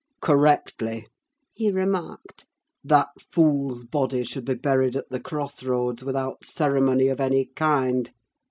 "Correctly," he remarked, "that fool's body should be buried at the cross roads, without ceremony of any kind.